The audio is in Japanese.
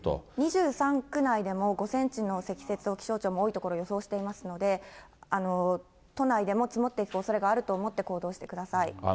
２３区内でも、５センチの積雪を気象庁も多い所、予想していますので、都内でも積もっていくおそれがあると思って行動してください。